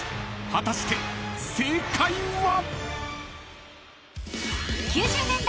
［果たして正解は？］